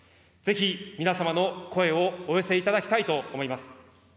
ぜひ皆様の声をお寄せいただきたいと思います。